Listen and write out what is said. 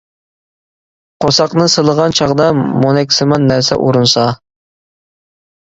قورساقنى سىلىغان چاغدا مونەكسىمان نەرسە ئۇرۇنسا.